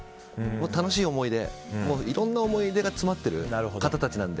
楽しい思いやいろんな思い出が詰まっている方たちなので。